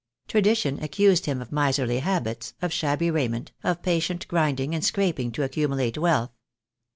Tradition accused him of miserly habits, of shabby raiment, of patient grinding and scraping to accumulate wealth.